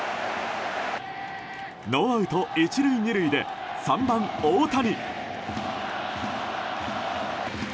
ノーアウト１塁２塁で３番、大谷。